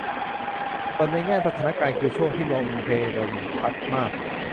ส่วนในแง่สถานการณ์คือช่วงที่ลมเพลมพัดมาก